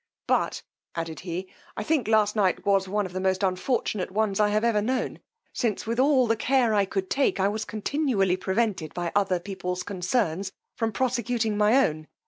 But, added he, I think last night was one of the most unfortunate ones I have ever known, since, with all the care I could take, I was continually prevented by other people's concerns from prosecuting my own.